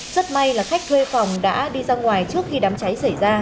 rất may là khách thuê phòng đã đi ra ngoài trước khi đám cháy xảy ra